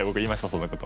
そんなこと。